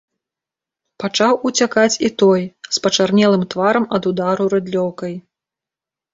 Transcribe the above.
Пачаў уцякаць і той, з пачарнелым тварам ад удару рыдлёўкай.